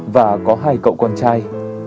và có hai cậu con trai